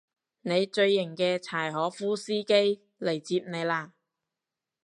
你最型嘅柴可夫司機嚟接你喇